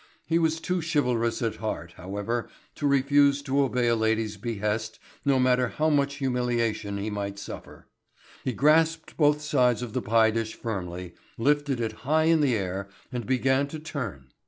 He was too chivalrous at heart, however, to refuse to obey a lady's behest no matter how much humiliation he might suffer. He grasped both sides of the pie dish firmly, lifted it high in the air and began to turn.